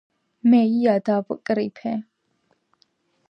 მე ია დავკრიფე